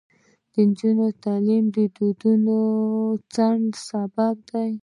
د نجونو تعلیم د ودونو ځنډ سبب دی.